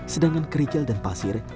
sedangkan kerikil dan pasir